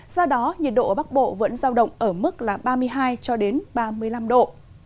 do đó nhiệt độ ở bắc bộ vẫn giao động ở mức ba mươi hai ba mươi năm độ